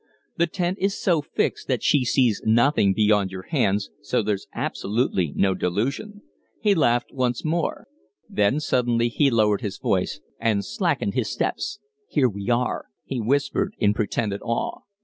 The tent is so fixed that she sees nothing beyond your hands; so there's absolutely no delusion." He laughed once more. Then suddenly he lowered his voice and slackened his steps. "Here we are!" he whispered, in pretended awe.